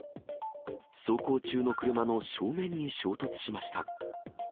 走行中の車の正面に衝突しました。